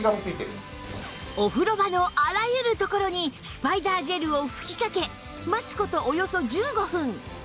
お風呂場のあらゆる所にスパイダージェルを吹きかけ待つ事およそ１５分